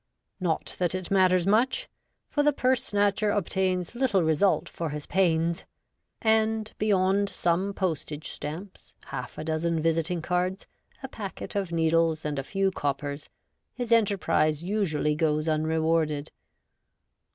Not that it matters much ; for the purse snatcher obtains little result for his pains, and, beyond some postage stamps, half a dozen visiting cards, a packet of needles, and a few coppers, his enterprise usually goes unrewarded.